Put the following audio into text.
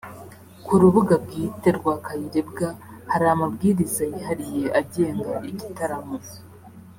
Ku rubuga bwite rwa Kayirebwa hari amabwiriza yihariye agenga igitaramo